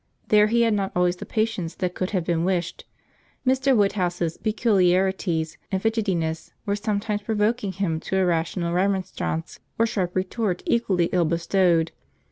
There he had not always the patience that could have been wished. Mr. Woodhouse's peculiarities and fidgetiness were sometimes provoking him to a rational remonstrance or sharp retort equally ill bestowed.